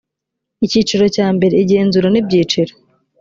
icyiciro cya mbere igenzura n ibyiciro